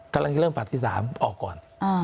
กำลังจะเริ่มปัดที่๓ออกก่อน